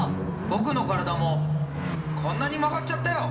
僕の体もこんなに曲がっちゃったよ！